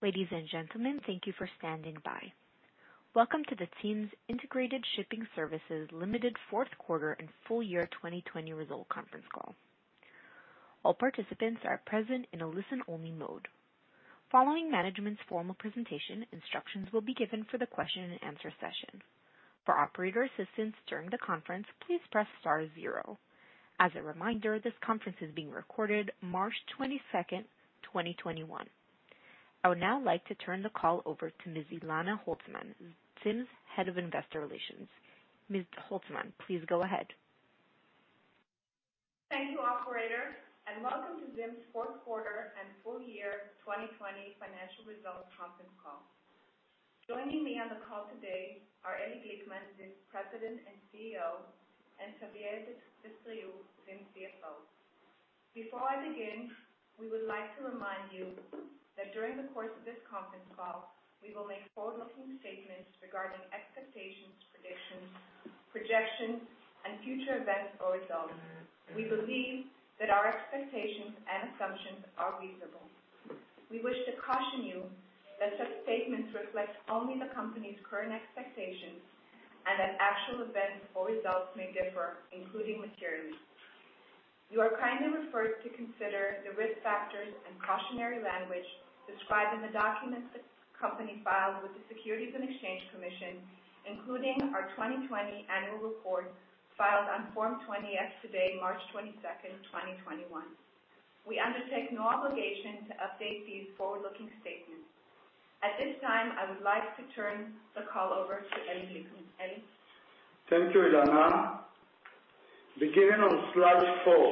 Ladies and gentlemen, thank you for standing by. Welcome to the ZIM Integrated Shipping Services Ltd fourth quarter and full year 2020 result conference call. All participants are present in a listen-only mode. Following management's formal presentation, instructions will be given for the question and answer session. For operator assistance during the conference, please press star zero. As a reminder, this conference is being recorded March 22nd, 2021. I would now like to turn the call over to Ms. Elana Holzman, ZIM's Head of Investor Relations. Ms. Holzman, please go ahead. Thank you, operator, welcome to ZIM's fourth quarter and full year 2020 financial results conference call. Joining me on the call today are Eli Glickman, ZIM's President and Chief Executive Officer, and Xavier Destriau, ZIM's Chief Financial Officer. Before I begin, we would like to remind you that during the course of this conference call, we will make forward-looking statements regarding expectations, predictions, projections, and future events or results. We believe that our expectations and assumptions are reasonable. We wish to caution you that such statements reflect only the company's current expectations and that actual events or results may differ, including materially. You are kindly referred to consider the risk factors and cautionary language described in the documents the company filed with the Securities and Exchange Commission, including our 2020 annual report filed on Form 20-F today, March 22nd, 2021. We undertake no obligation to update these forward-looking statements. At this time, I would like to turn the call over to Eli Glickman. Eli? Thank you, Elana. Beginning on slide four,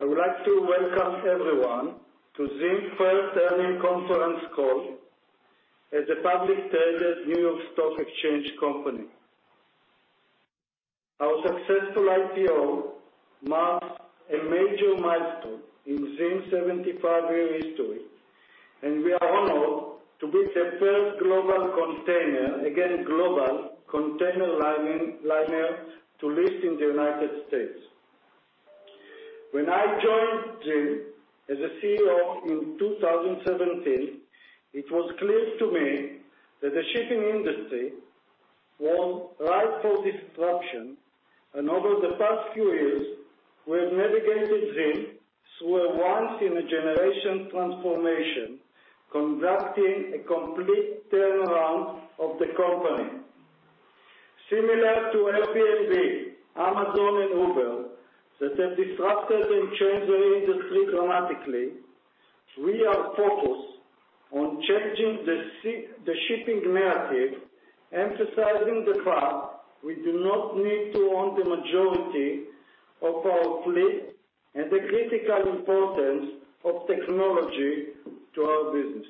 I would like to welcome everyone to ZIM's first earnings conference call as a publicly traded New York Stock Exchange company. Our successful IPO marks a major milestone in ZIM's 75-year history, and we are honored to be the first global container liner to list in the U.S. When I joined ZIM as a CEO in 2017, it was clear to me that the shipping industry was ripe for disruption. Over the past few years, we have navigated ZIM through a once in a generation transformation, conducting a complete turnaround of the company. Similar to Airbnb, Amazon, and Uber that have disrupted and changed their industry dramatically, we are focused on changing the shipping narrative, emphasizing the fact we do not need to own the majority of our fleet, and the critical importance of technology to our business.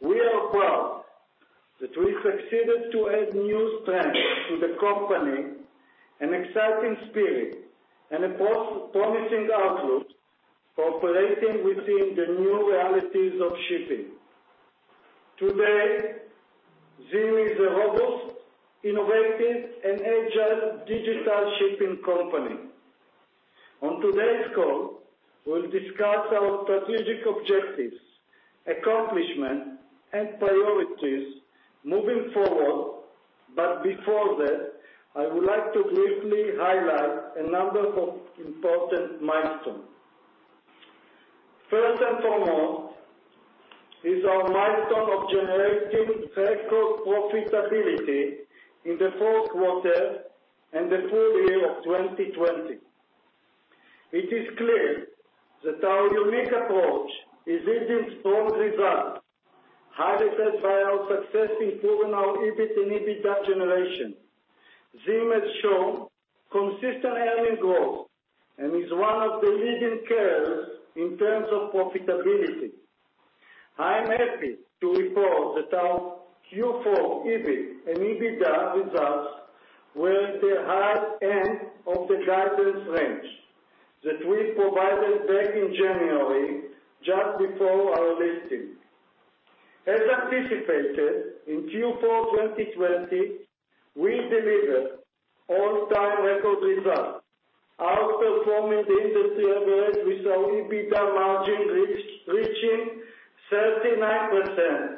We are proud that we succeeded to add new strength to the company, an exciting spirit, and a promising outlook for operating within the new realities of shipping. Today, ZIM is a robust, innovative, and agile digital shipping company. On today's call, we'll discuss our strategic objectives, accomplishments, and priorities moving forward, but before that, I would like to briefly highlight a number of important milestones. First and foremost is our milestone of generating breakout profitability in the fourth quarter and the full year of 2020. It is clear that our unique approach is yielding strong results, highlighted by our success in proven our EBIT and EBITDA generation. ZIM has shown consistent earning growth and is one of the leading carriers in terms of profitability. I'm happy to report that our Q4 EBIT and EBITDA results were at the high end of the guidance range that we provided back in January, just before our listing. As anticipated, in Q4 2020, we delivered all-time record results, outperforming the industry average with our EBITDA margin reaching 39%,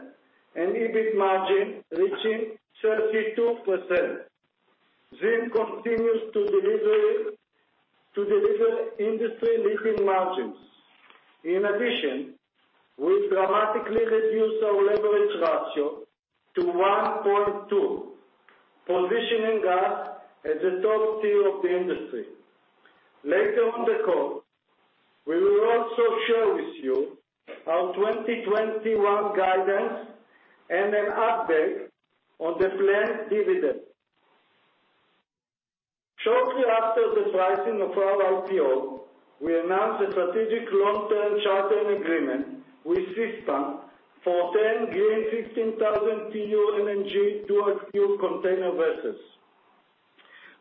and EBIT margin reaching 32%. ZIM continues to deliver industry-leading margins. In addition, we dramatically reduced our leverage ratio to 1.2x, positioning us at the top tier of the industry. Later on the call, we will also share with you our 2021 guidance and an update on the planned dividend. Shortly after the pricing of our IPO, we announced a strategic long-term chartering agreement with Seaspan for 10 green 16,000 TEU LNG dual fuel container vessels.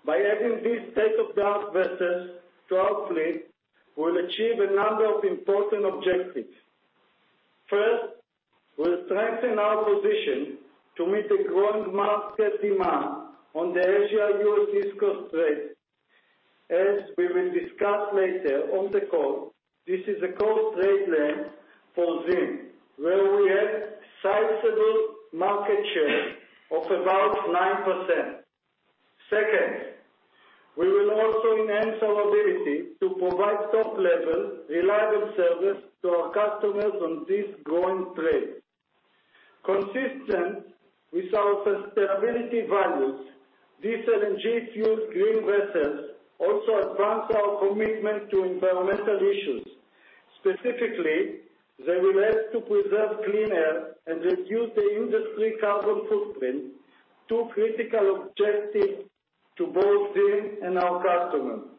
By adding these state-of-the-art vessels to our fleet, we'll achieve a number of important objectives. First, we'll strengthen our position to meet the growing market demand on the Asia-U.S. West Coast trade. As we will discuss later on the call, this is a core trade lane for ZIM, where we have sizable market share of about 9%. Second, we will also enhance our ability to provide top-level, reliable service to our customers on this growing trade. Consistent with our sustainability values, these LNG-fueled green vessels also advance our commitment to environmental issues. Specifically, they will help to preserve clean air and reduce the industry carbon footprint, two critical objectives to both ZIM and our customers.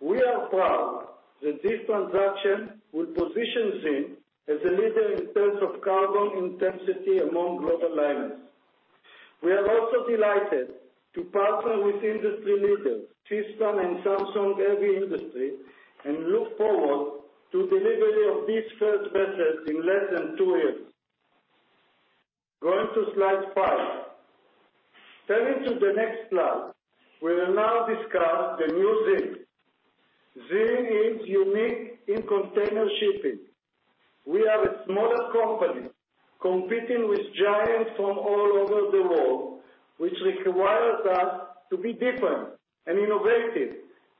We are proud that this transaction will position ZIM as a leader in terms of carbon intensity among global liners. We are also delighted to partner with industry leaders, Seaspan, and Samsung Heavy Industries, and look forward to delivery of these first vessels in less than two years. Going to slide five. Turning to the next slide. We will now discuss the new ZIM. ZIM is unique in container shipping. We are a smaller company competing with giants from all over the world, which requires us to be different and innovative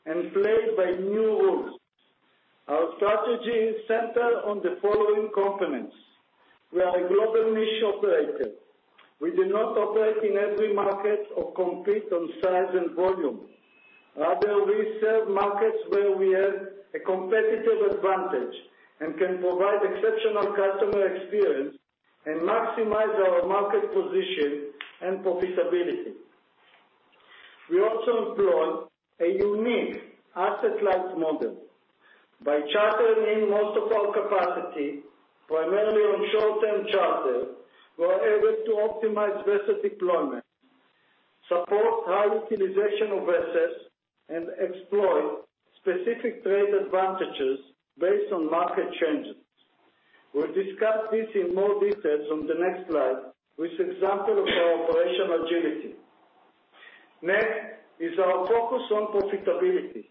and play by new rules. Our strategy is centered on the following components. We are a global niche operator. We do not operate in every market or compete on size and volume. Rather, we serve markets where we have a competitive advantage and can provide exceptional customer experience and maximize our market position and profitability. We also employ a unique asset-light model. By chartering in most of our capacity, primarily on short-term charters, we are able to optimize vessel deployment, support high utilization of vessels, and exploit specific trade advantages based on market changes. We'll discuss this in more details on the next slide with example of our operational agility. Next is our focus on profitability.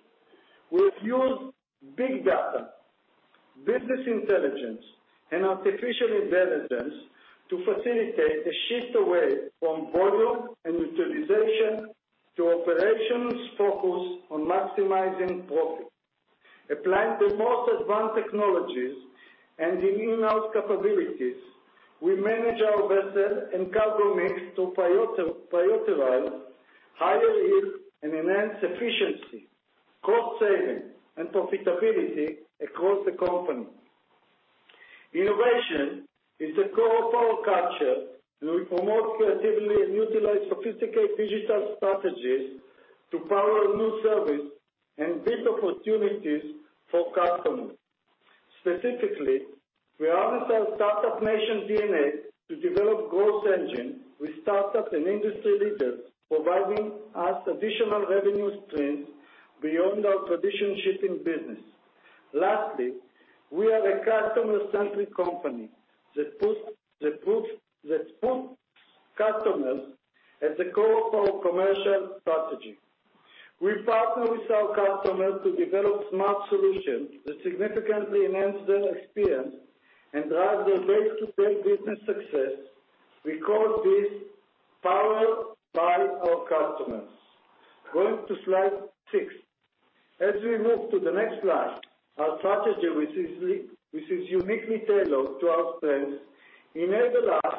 We've used big data, business intelligence, and artificial intelligence to facilitate a shift away from volume and utilization to operations focused on maximizing profit. Applying the most advanced technologies and in-house capabilities, we manage our vessel and cargo mix to prioritize higher yield and enhance efficiency, cost savings, and profitability across the company. Innovation is the core of our culture, and we promote creativity and utilize sophisticated digital strategies to power new service and business opportunities for customers. Specifically, we harness our startup nation DNA to develop growth engine with startups and industry leaders providing us additional revenue streams beyond our traditional shipping business. Lastly, we are a customer-centric company that puts customers at the core of our commercial strategy. We partner with our customers to develop smart solutions that significantly enhance their experience and drive their face-to-face business success. We call this powered by our customers. Going to slide six. As we move to the next slide, our strategy, which is uniquely tailored to our strengths, enabled us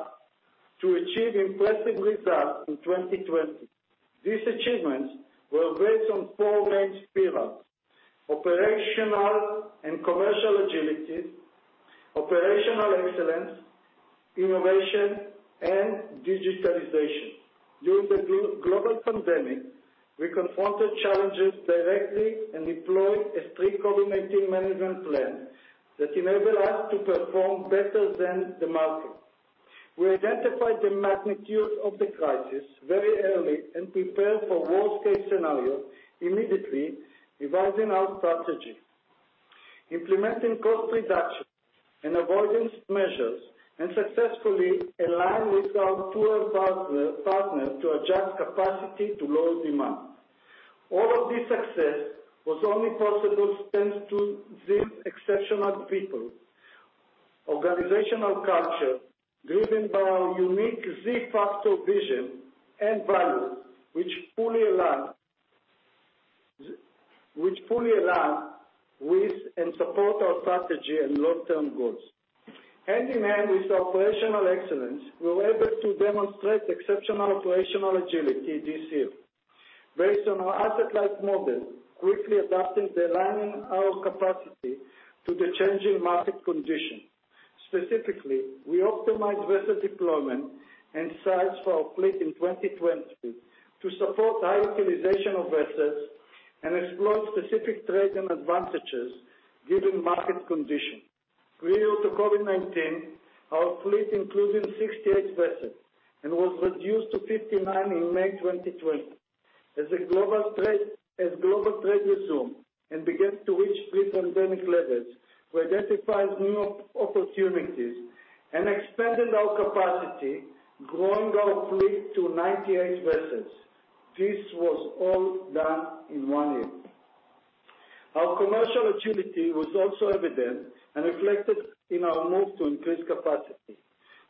to achieve impressive results in 2020. These achievements were based on four main pillars, operational and commercial agility, operational excellence, innovation, and digitalization. During the global pandemic, we confronted challenges directly and deployed a strict COVID-19 management plan that enabled us to perform better than the market. We identified the magnitude of the crisis very early and prepared for worst-case scenario immediately, revising our strategy. Implementing cost reduction and avoidance measures, successfully aligned with our 2M partners to adjust capacity to lower demand. All of this success was only possible thanks to ZIM's exceptional people, organizational culture driven by our unique Z Factor vision and values which fully align with and support our strategy and long-term goals. Hand-in-hand with operational excellence, we were able to demonstrate exceptional operational agility this year. Based on our asset-light model, quickly adapting and aligning our capacity to the changing market condition. Specifically, we optimized vessel deployment and size for our fleet in 2020 to support high utilization of vessels and explore specific trade and advantages given market condition. Prior to COVID-19, our fleet included 68 vessels and was reduced to 59 in May 2020. As global trade began to reach pre-pandemic levels, we identified new opportunities and expanded our capacity, growing our fleet to 98 vessels. This was all done in one year. Our commercial agility was also evident and reflected in our move to increase capacity.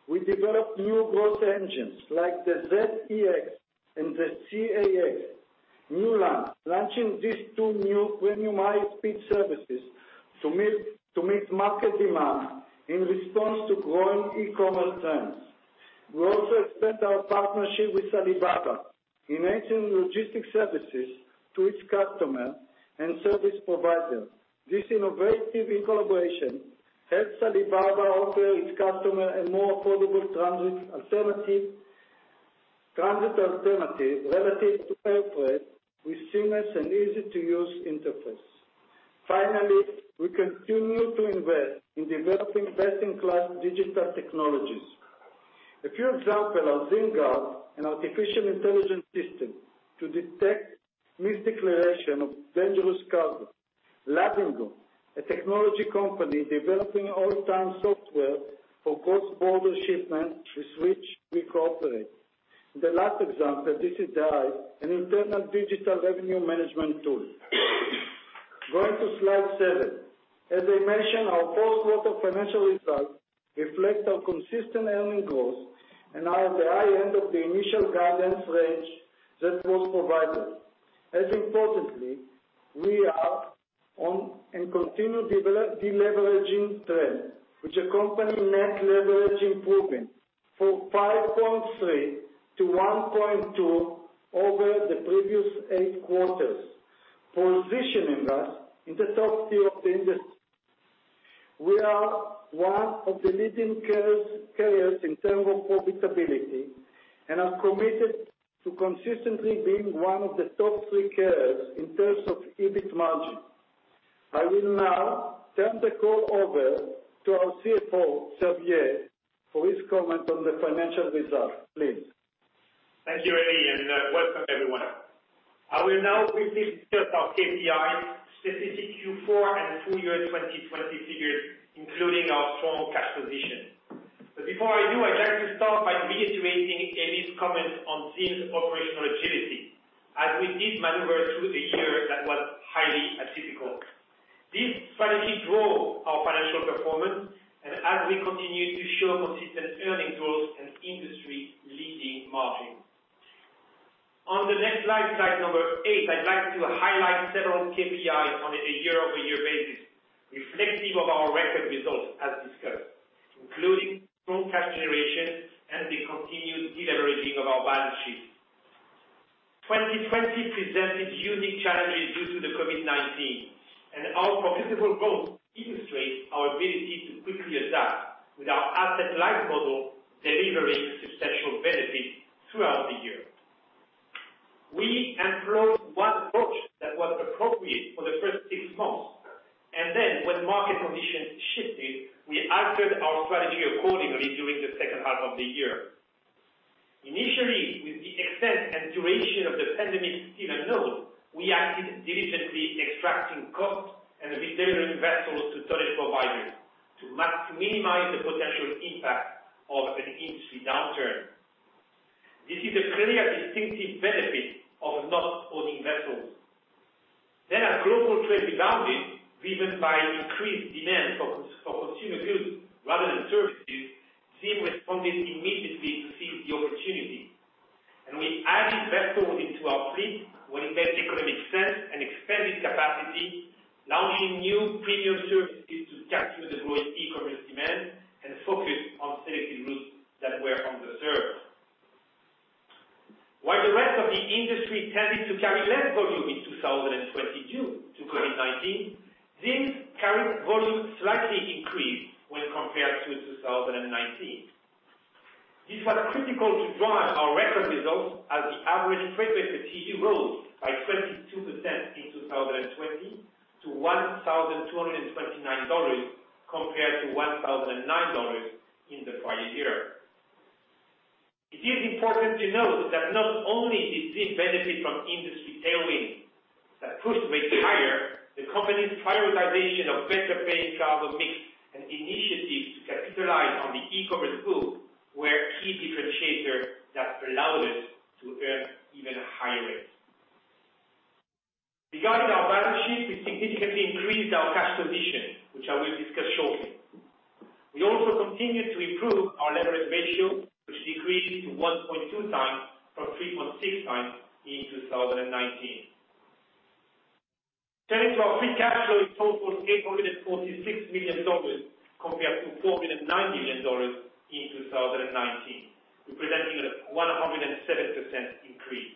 We developed new growth engines like the ZEX and the CAX, launching these two new premium high-speed services to meet market demand in response to growing e-commerce trends. We also expand our partnership with Alibaba in entering logistic services to its customer and service provider. This innovative incorporation helps Alibaba offer its customer a more affordable transit alternative relative to air freight with seamless and easy-to-use interface. Finally, we continue to invest in developing best-in-class digital technologies. A few example are ZIMGuard, an artificial intelligence system to detect misdeclaration of dangerous cargo. Ladingo, a technology company developing real-time software for cross-border shipment with which we cooperate. The last example, this is [theEYE], an internal digital revenue management tool. Going to slide seven. As I mentioned, our first lot of financial results reflect our consistent earnings growth and are at the high end of the initial guidance range that was provided. As importantly, we are on a continued deleveraging trend, which company net leverage improving from 5.3x to 1.2x over the previous eight quarters, positioning us in the top tier of the industry. We are one of the leading carriers in terms of profitability and are committed to consistently being one of the top three carriers in terms of EBIT margin. I will now turn the call over to our CFO, Xavier, for his comment on the financial result. Please. Thank you, Eli, and welcome everyone. I will now briefly discuss our KPI, specific Q4 and full year 2020 figures, including our strong cash position. Before I do, I'd like to start by reiterating Eli's comments on ZIM's operational agility, as we did maneuver through the year that was highly atypical. This strategy drove our financial performance and as we continue to show consistent earning growth and industry-leading margin. On the next slide number eight, I'd like to highlight several KPI on a year-over-year basis, reflective of our record results as discussed, including strong cash generation and the continued de-leveraging of our balance sheet. 2020 presented unique challenges due to the COVID-19, our profitable growth illustrates our ability to quickly adapt with our asset-light model, delivering substantial benefits throughout the year. We employed one approach that was appropriate for the first six months, and then when market conditions shifted, we altered our strategy accordingly during the second half of the year. Initially, with the extent and duration of the pandemic still unknown, we acted diligently, extracting costs and returning vessels to vessel providers to minimize the potential impact of an industry downturn. This is a clear distinctive benefit of not owning vessels. As global trade rebounded, driven by increased demand for consumer goods rather than services, ZIM responded immediately to seize the opportunity. We added vessels into our fleet when it made economic sense and expanded capacity, launching new premium services to capture the growing e-commerce demand and focus on selected routes that were underserved. While the rest of the industry tended to carry less volume in 2020 due to COVID-19, ZIM carried volume slightly increased when compared to 2019. This was critical to drive our record results as the average freight rate achieved rose by 22% in 2020 to $1,229, compared to $1,009 in the prior year. It is important to note that not only did ZIM benefit from industry tailwinds that pushed rates higher, the company's prioritization of better paying cargo mix and initiatives to capitalize on the e-commerce boom were key differentiators that allowed us to earn even higher rates. Regarding our balance sheet, we significantly increased our cash position, which I will discuss shortly. We also continued to improve our leverage ratio, which decreased to 1.2x from 3.6x in 2019. Turning to our free cash flow, it totaled $846 million compared to $409 million in 2019, representing a 107% increase.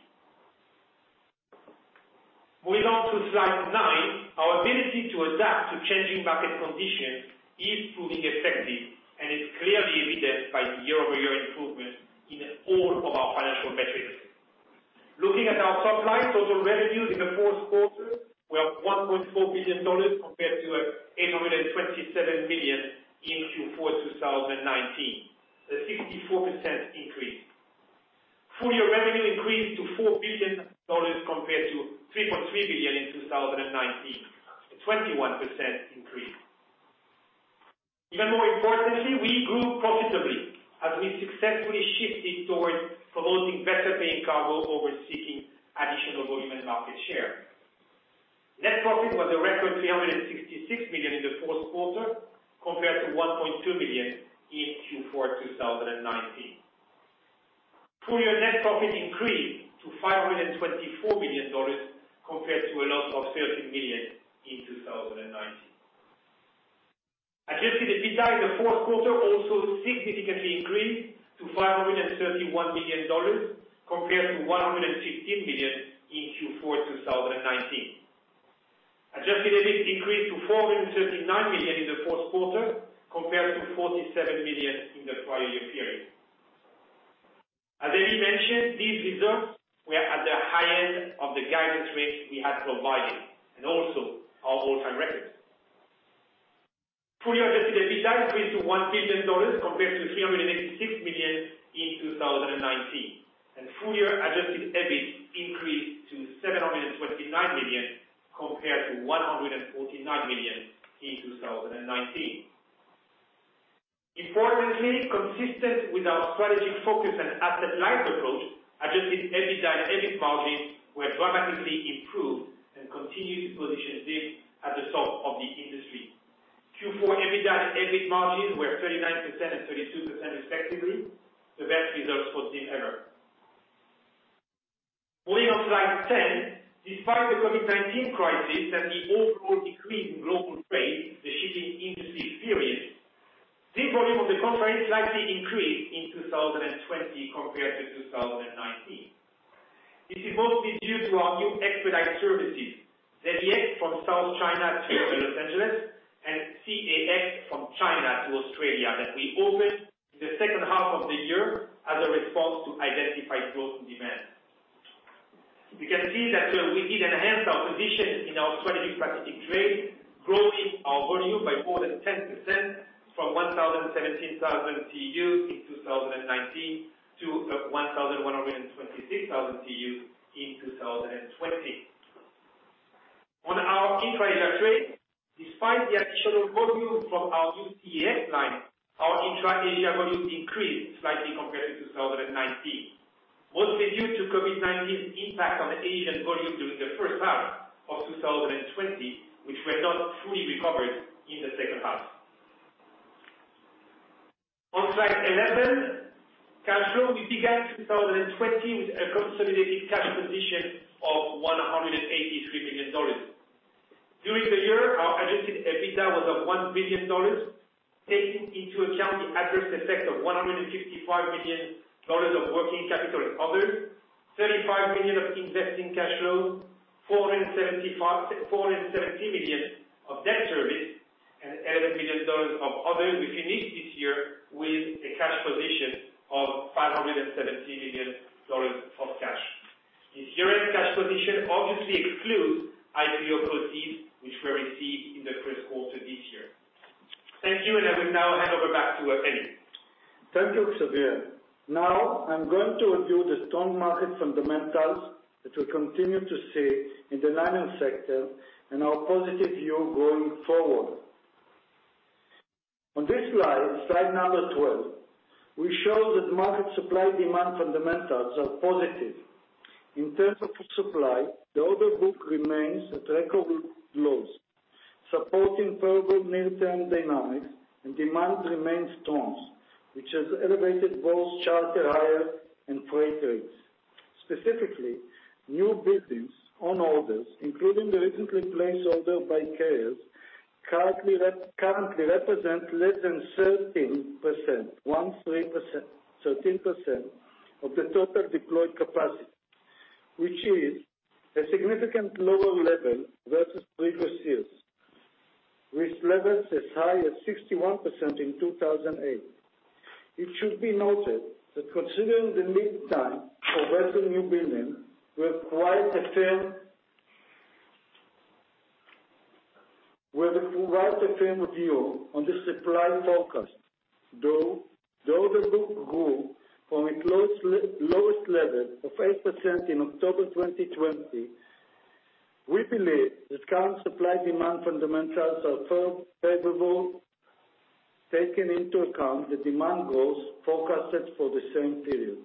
Moving on to slide nine. Our ability to adapt to changing market conditions is proving effective and is clearly evident by the year-over-year improvement in all of our financial metrics. Looking at our top line, total revenues in the fourth quarter were $1.4 billion compared to $827 million in Q4 2019, a 64% increase. Full year revenue increased to $4 billion compared to $3.3 billion in 2019, a 21% increase. Even more importantly, we grew profitably as we successfully shifted towards promoting better paying cargo over seeking additional volume and market share. Net profit was a record $366 million in the fourth quarter, compared to $1.2 million in Q4 2019. Full year net profit increased to $524 million, compared to a loss of $13 million in 2019. Adjusted EBITDA in the fourth quarter also significantly increased to $531 million, compared to $116 million in Q4 2019. Adjusted EBIT increased to $439 million in the fourth quarter, compared to $47 million in the prior year period. As Eli mentioned, these results were at the high end of the guidance range we had provided, and also our all-time records. Full year adjusted EBITDA increased to $1 billion, compared to $386 million in 2019. Full year adjusted EBIT increased to $729 million, compared to $149 million in 2019. Importantly, consistent with our strategic focus and asset-light approach, adjusted EBITDA and EBIT margins were dramatically improved and continue to position ZIM at the top of the industry. Q4 EBITDA and EBIT margins were 39% and 32% respectively, the best results for ZIM ever. Moving on slide 10. Despite the COVID-19 crisis and the overall decrease in global trade the shipping industry experienced, ZIM volume on the contrary, slightly increased in 2020 compared to 2019. This is mostly due to our new expedite services, ZEX from South China to Los Angeles and CAX from China to Australia that we opened in the second half of the year as a response to identified growth and demand. You can see that we did enhance our position in our strategic Pacific trade, growing our volume by more than 10%, from 117,000 TEUs in 2019 to 126,000 TEUs in 2020. On our intra-Asia trade, despite the additional volume from our new CAX line, our intra-Asia volumes increased slightly compared to 2019, mostly due to COVID-19's impact on the Asian volume during the first half of 2020, which were not fully recovered in the second half. On slide 11, cash flow. We began 2020 with a consolidated cash position of $183 million. During the year, our adjusted EBITDA was of $1 billion, taking into account the adverse effect of $155 million of working capital and other, $35 million of investing cash flow, $470 million of debt service, and $11 million of other, which we need this year with a cash position of $570 million of cash. This year-end cash position obviously excludes IPO proceeds, which were received in the first quarter this year. Thank you, and I will now hand over back to Eli. Thank you, Xavier. I'm going to review the strong market fundamentals that we continue to see in the liner sector and our positive view going forward. On this slide number 12, we show that market supply/demand fundamentals are positive. In terms of supply, the order book remains at record lows, supporting favorable near-term dynamics, and demand remains strong, which has elevated both charter hires and freight rates. Specifically, new business on orders, including the recently placed order by Seaspan, currently represent less than 13% of the total deployed capacity, which is a significant lower level versus previous years, with levels as high as 61% in 2008. It should be noted that considering the lead time for vessel newbuilding require a firm review on the supply forecast. Though the order book grew from its lowest level of 8% in October 2020, we believe that current supply/demand fundamentals are favorable, taking into account the demand growth forecasted for the same period.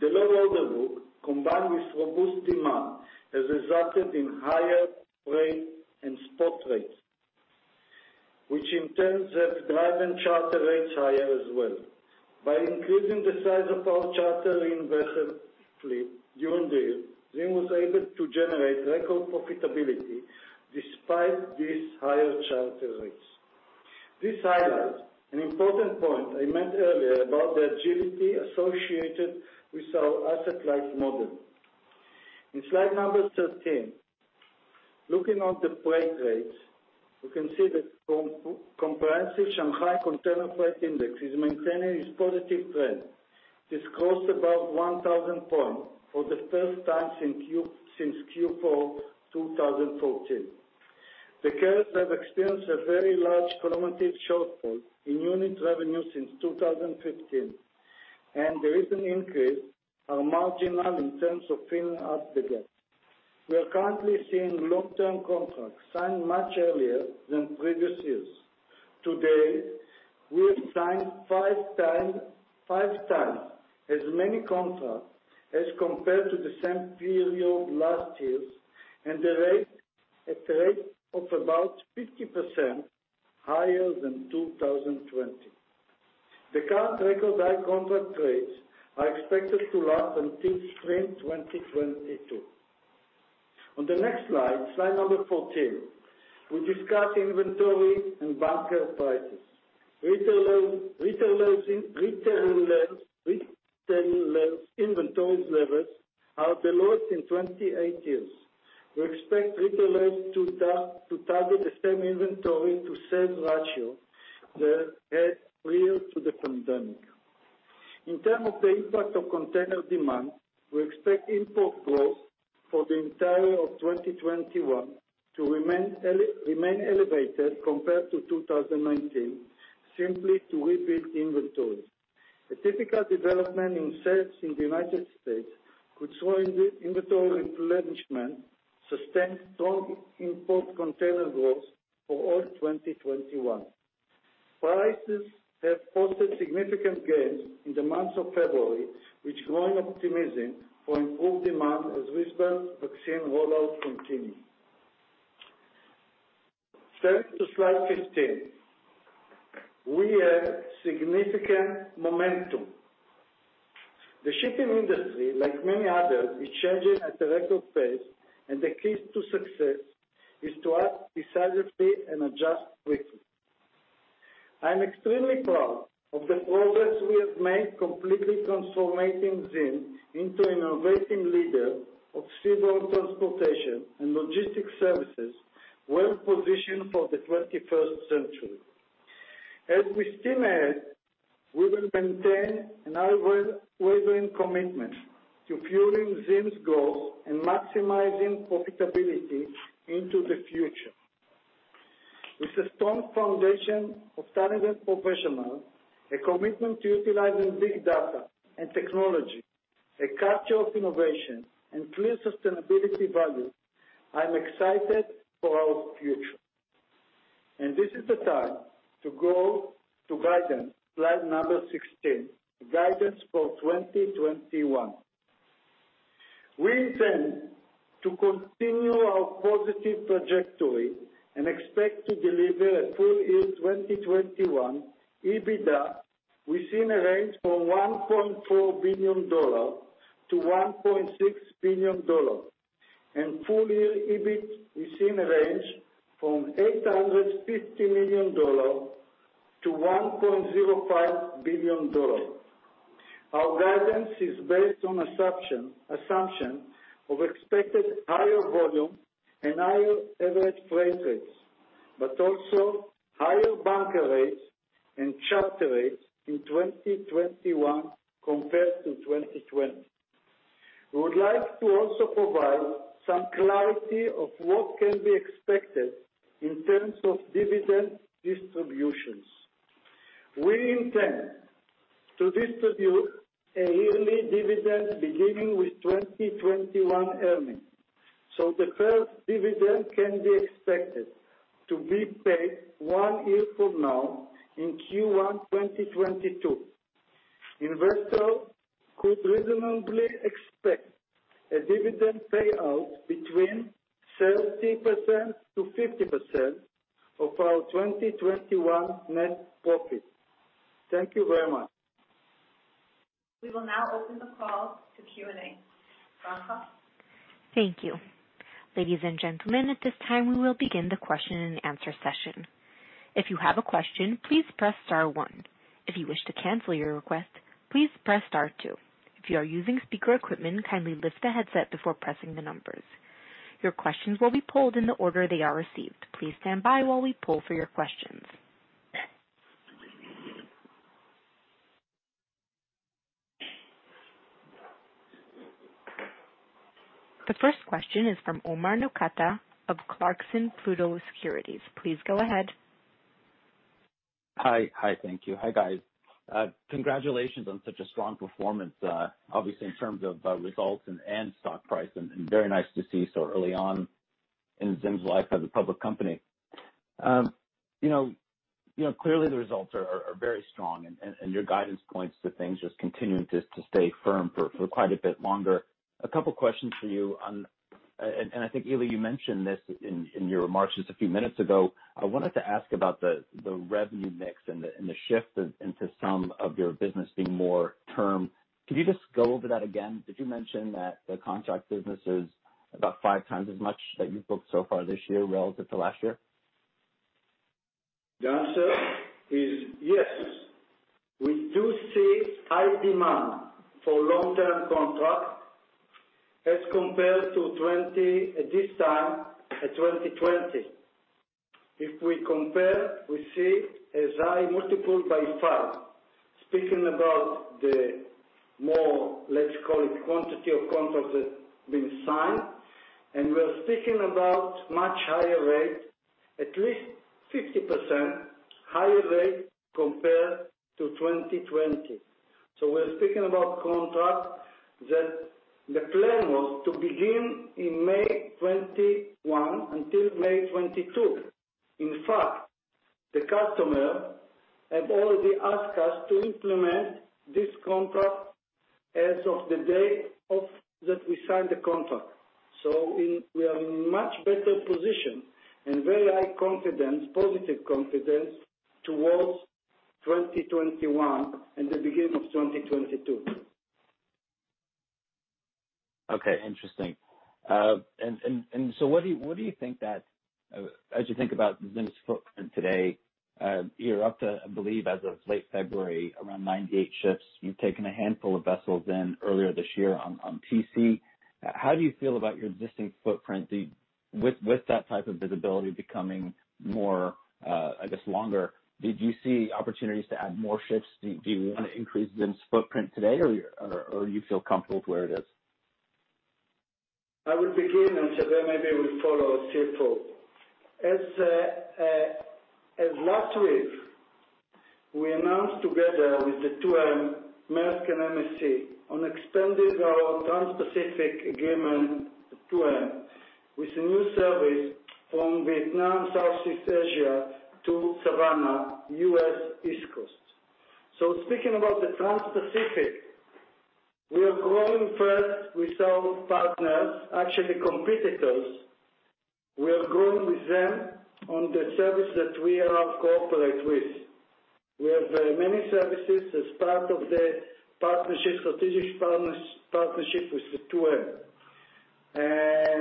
The low order book, combined with robust demand, has resulted in higher rate and spot rates, which in turn have driven charter rates higher as well. By increasing the size of our charter investment fleet during the year, ZIM was able to generate record profitability despite these higher charter rates. This highlights an important point I made earlier about the agility associated with our asset-light model. In slide number 13, looking at the freight rates, we can see that comprehensive Shanghai Containerized Freight Index is maintaining its positive trend. This crossed above 1,000 points for the first time since Q4 2014. The carriers have experienced a very large cumulative shortfall in unit revenue since 2015, and the recent increase are marginal in terms of filling up the gap. We are currently seeing long-term contracts signed much earlier than previous years. Today, we have signed 5x as many contracts as compared to the same period last year, and at a rate of about 50% higher than 2020. The current record high contract rates are expected to last until spring 2022. On the next slide number 14, we discuss inventory and bunker prices. Retailers' inventory levels are the lowest in 28 years. We expect retailers to target the same inventory to sales ratio they had prior to the pandemic. In terms of the impact of container demand, we expect import growth for the entirety of 2021 to remain elevated compared to 2019, simply to rebuild inventory. A typical development in sales in the United States could show inventory replenishment sustain strong import container growth for all 2021. Prices have posted significant gains in the month of February, which grown optimism for improved demand as widespread vaccine rollout continues. Turn to slide 15. We have significant momentum. The shipping industry, like many others, is changing at a record pace, and the key to success is to act decisively and adjust quickly. I am extremely proud of the progress we have made completely transforming ZIM into an innovative leader of seaborne transportation and logistics services, well-positioned for the 21st century. As we steam ahead, we will maintain an unwavering commitment to fueling ZIM's growth and maximizing profitability into the future. With a strong foundation of talented professionals, a commitment to utilizing big data and technology, a culture of innovation, and clear sustainability values, I'm excited for our future. This is the time to go to guidance, slide number 16. Guidance for 2021. We intend to continue our positive trajectory and expect to deliver a full-year 2021 EBITDA within a range from $1.4 billion-$1.6 billion. Full-year EBIT is in a range from $850 million-$1.05 billion. Our guidance is based on assumption of expected higher volume and higher average freight rates, but also higher bunker rates and charter rates in 2021 compared to 2020. We would like to also provide some clarity of what can be expected in terms of dividend distributions. We intend to distribute a yearly dividend beginning with 2021 earnings. The first dividend can be expected to be paid one year from now in Q1 2022. Investors could reasonably expect a dividend payout between 30%-50% of our 2021 net profit. Thank you very much. We will now open the call to Q&A. Operator? Thank you. Ladies and gentlemen, at this time we will begin the question and answer session. If you have a question, please press star one. If you wish to cancel your request, please press star two. If you are using speaker equipment, kindly lift the headset before pressing the numbers. Your questions will be polled in the order they are received. Please stand by while we poll for your questions. The first question is from Omar Nokta of Clarksons Platou Securities. Please go ahead. Hi. Thank you. Hi, guys. Congratulations on such a strong performance, obviously in terms of results and stock price, very nice to see so early on in ZIM's life as a public company. Clearly, the results are very strong. Your guidance points to things just continuing to stay firm for quite a bit longer. A couple questions for you. I think, Eli, you mentioned this in your remarks just a few minutes ago. I wanted to ask about the revenue mix and the shift into some of your business being more term. Could you just go over that again? Did you mention that the contract business is about 5x as much that you've booked so far this year relative to last year? The answer is yes. We do see high demand for long-term contracts as compared to this time in 2020. If we compare, we see as high multiple by five. Speaking about the more, let's call it quantity of contracts that have been signed, and we're speaking about much higher rate, at least 50% higher rate compared to 2020. We're speaking about contract that the plan was to begin in May 2021 until May 2022. In fact, the customer have already asked us to implement this contract as of the day that we signed the contract. We are in much better position and very high confidence, positive confidence towards 2021 and the beginning of 2022. Okay, interesting. What do you think that, as you think about ZIM's footprint today, you're up to, I believe, as of late February, around 98 ships. You've taken a handful of vessels in earlier this year on TC. How do you feel about your existing footprint? With that type of visibility becoming more, I guess, longer, did you see opportunities to add more ships? Do you want to increase ZIM's footprint today, or you feel comfortable where it is? I will begin. Xavier maybe will follow suit. Last week, we announced together with the 2M, Maersk and MSC, on expanding our Trans-Pacific agreement, 2M, with a new service from Vietnam, Southeast Asia to Savannah, U.S. East Coast. Speaking about the Trans-Pacific, we are growing first with our partners, actually competitors. We are growing with them on the service that we cooperate with. We have many services as part of the partnership, strategic partnership with the 2M.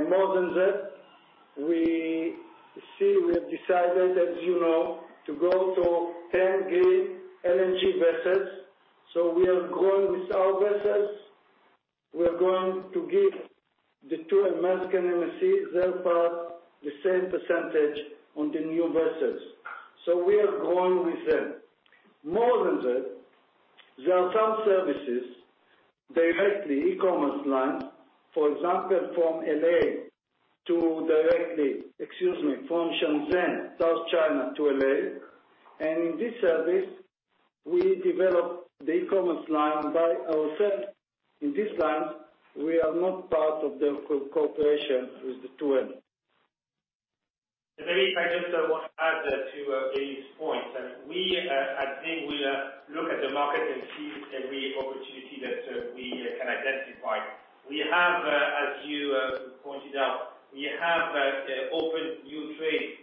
More than that, we have decided, as you know, to go to 10 green LNG vessels. We are growing with our vessels. We are going to give the 2M, Maersk and MSC, their part, the same percentage on the new vessels. We are growing with them. More than that, there are some services directly, e-commerce line, for example, from L.A. to directly, excuse me, from Shenzhen, South China to L.A., and in this service, we developed the e-commerce line by ourselves. In this line, we are not part of the cooperation with the 2M. Maybe, I just want to add to Eli's point that we at ZIM will look at the market and see every opportunity that we can identify. We have, as you pointed out, we have opened new trades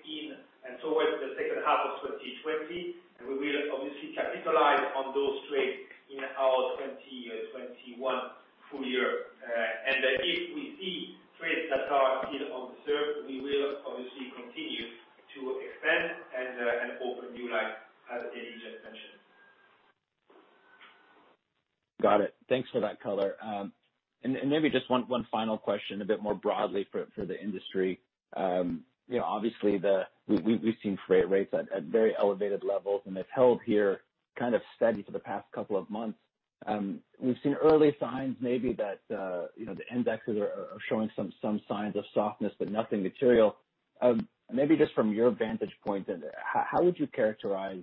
in and towards the second half of 2020, and we will obviously capitalize on those trades in our 2021 full year. If we see trades that are still unserved, we will obviously continue to expand and open new lines as Eli just mentioned. Got it. Thanks for that color. Maybe just one final question a bit more broadly for the industry. Obviously, we've seen freight rates at very elevated levels, and they've held here kind of steady for the past couple of months. We've seen early signs maybe that the indexes are showing some signs of softness, but nothing material. Maybe just from your vantage point, how would you characterize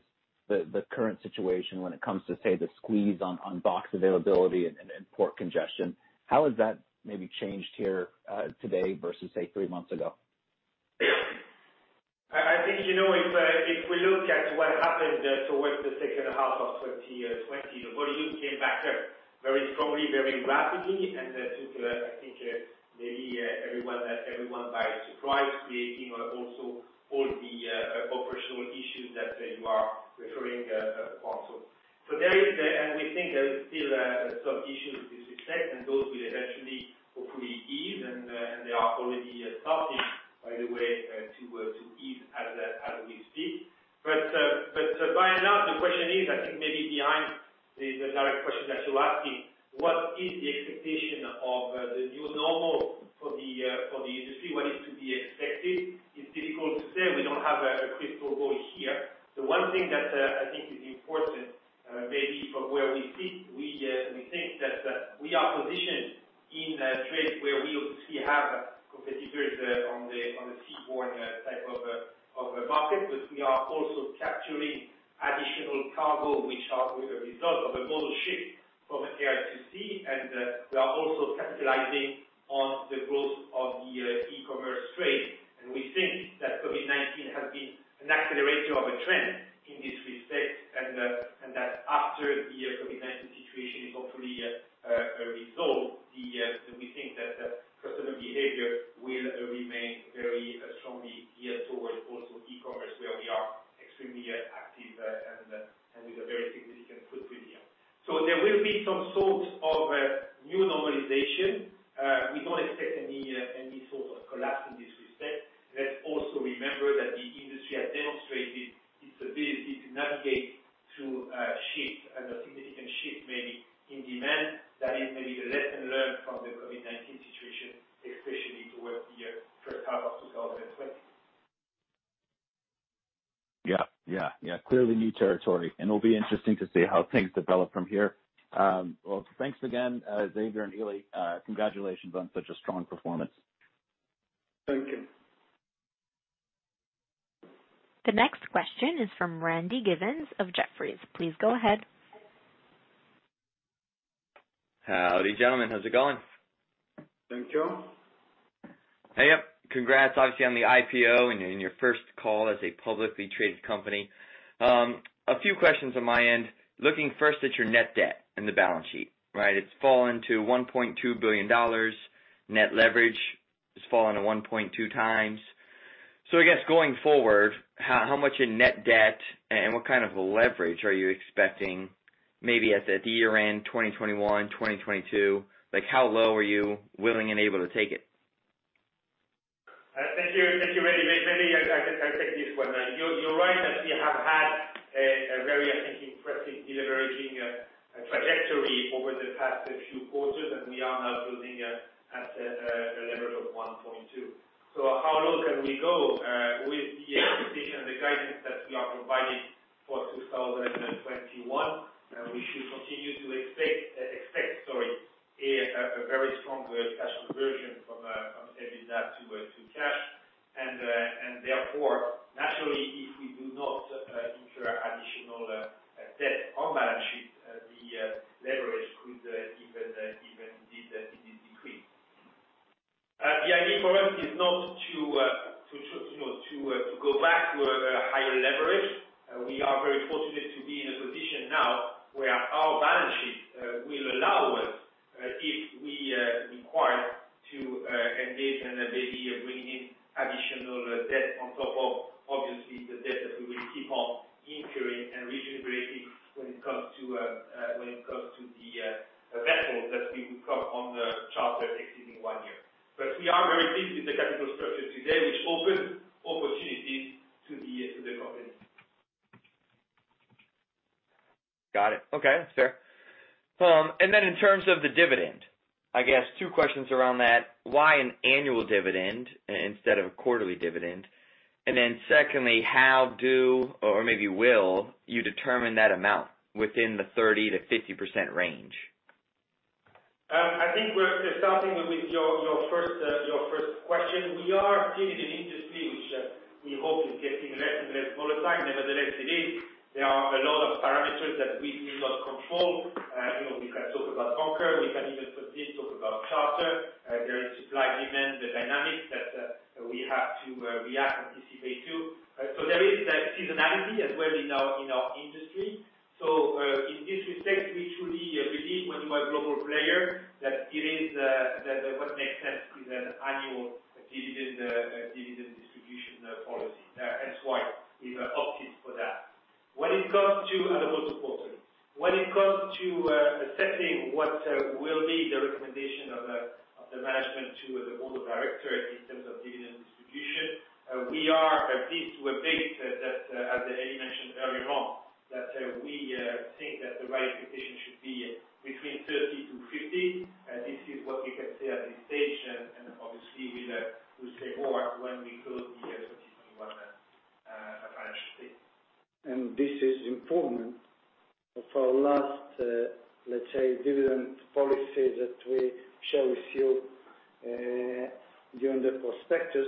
the current situation when it comes to, say, the squeeze on box availability and port congestion? How has that maybe changed here today versus, say, three months ago? I think, if we look at what happened towards the second half of 2020, the volumes came back very strongly, very rapidly, and took, I think, maybe everyone by surprise, creating also all the operational issues that you are referring also. We think there is still some issues with this effect, will be some sort of new normalization. We don't expect any sort of collapse in this respect. Let's also remember that the industry has demonstrated its ability to navigate through a shift and a significant shift maybe in demand. That is maybe the lesson learned from the COVID-19 situation, especially towards the first half of 2020. Yeah. Clearly new territory, and it'll be interesting to see how things develop from here. Well, thanks again, Xavier and Eli. Congratulations on such a strong performance. Thank you. The next question is from Randy Giveans of Jefferies. Please go ahead. Howdy, gentlemen. How's it going? Thank you. Hey. Congrats, obviously, on the IPO, in your first call as a publicly traded company. A few questions on my end. Looking first at your net debt in the balance sheet, right? It's fallen to $1.2 billion. Net leverage has fallen to 1.2x. I guess, going forward, how much in net debt and what kind of leverage are you expecting, maybe at the year-end 2021, 2022? How low are you willing and able to take it? Thank you, Randy. Maybe I take this one. You're right that we have had a very, I think, impressive de-leveraging trajectory over the past few quarters. We are now closing at a level of 1.2x. How low can we go? With the expectation, the guidance that we are providing for 2021, we should continue to expect a very strong cash conversion from EBITDA to cash. Therefore, naturally, if we do not incur additional debt on balance sheet, the leverage could even decrease. The idea for us is not to go back to a higher leverage. We are very fortunate to be in a position now where our balance sheet will allow us, if we require, to engage and maybe bring in additional debt on top of, obviously, the debt that we will keep on incurring and regenerating when it comes to the vessels that we would cover on the charter exceeding one year. We are very pleased with the capital structure today, which opens opportunities to the company. Got it. Okay. Sure. In terms of the dividend, I guess two questions around that. Why an annual dividend instead of a quarterly dividend? Secondly, how, do, or maybe will you determine that amount within the 30%-50% range? I think we're starting with your first question. We are clearly in an industry which we hope is getting less and less volatile. Nevertheless, it is. There are a lot of parameters that we do not control. We can talk about bunker, we can even talk about charter. There is supply, demand, the dynamics that we have to react, anticipate to. There is that seasonality as well in our industry. In this respect, we truly believe when you are a global player, that what makes sense is an annual dividend distribution policy. That is why we've opted for that. I'll go to quarterly. When it comes to setting what will be the recommendation of the management to the board of directors in terms of dividend distribution, we are pleased to update that, as Eli mentioned earlier on, that we think that the right position should be between 30%-50%. This is what we can say at this stage, and obviously, we'll say more when we close the 2021 financial year. This is improvement for our last, let's say, dividend policy that we share with you during the prospectus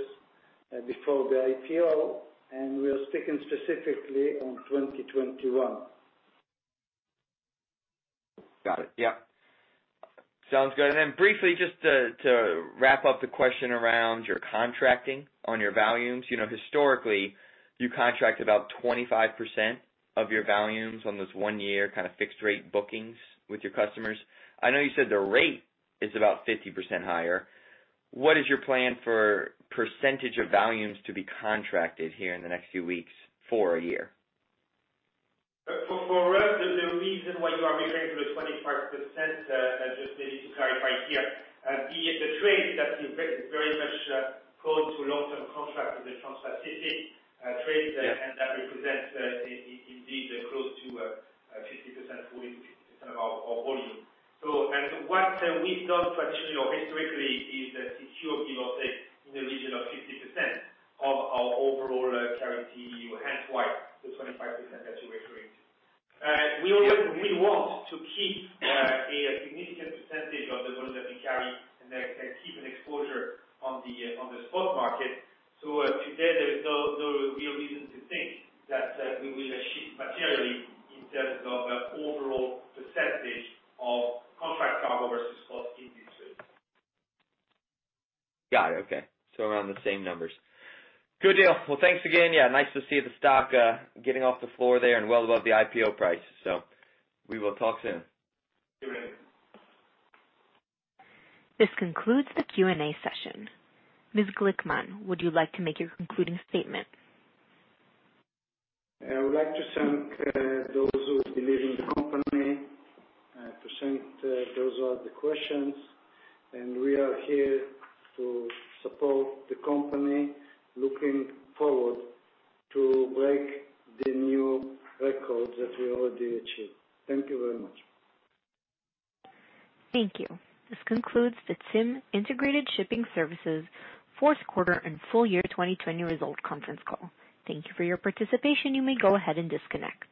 before the IPO, and we are speaking specifically on 2021. Got it. Yep. Sounds good. Then briefly, just to wrap up the question around your contracting on your volumes. Historically, you contract about 25% of your volumes on this one year fixed-rate bookings with your customers. I know you said the rate is about 50% higher. What is your plan for percentage of volumes to be contracted here in the next few weeks for a year? For us, the reason why you are referring to the 25%, just maybe to clarify here. The trades that you very much prone to long-term contract with the trans-Pacific trades. That represents indeed close to 50% of our volume. What we've done traditionally or historically is secure, give or take, in the region of 50%